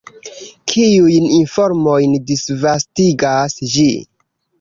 Kiujn informojn disvastigas ĝi?